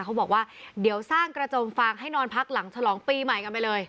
เขาบอกว่าเดี๋ยวสร้างกระโจมฟางให้นอนพักหลังฉลองปีใหม่กันไปเลย